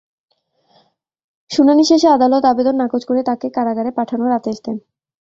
শুনানি শেষে আদালত আবেদন নাকচ করে তাঁকে কারাগারে পাঠানোর আদেশ দেন।